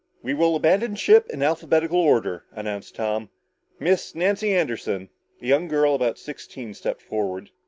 "We will abandon ship in alphabetical order," announced Tom. "Miss Nancy Anderson?" A young girl about sixteen stepped forward.